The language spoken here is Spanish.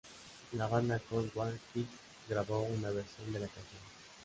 La banda Cold War Kids grabó una versión de la canción.